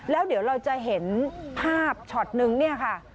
แล้วเดี๋ยวเราจะเห็นภาพช็อตนึงเนี่ยค่ะ